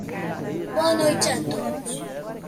Boa noite a todos.